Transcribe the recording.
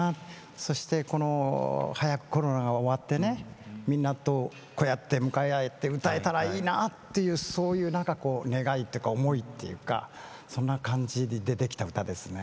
そして、早くコロナが終わってみんなとこうやって向かい合って歌えたらいいなっていうそういう願いっていうか思いっていうかそんな感じで出てきた歌ですね。